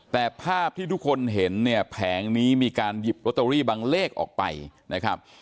แต่ภาพที่ทุกคนเห็นเนี่ยแผงนี้มีการหยิบลอตเตอรี่บางเลขออกไปนะครับ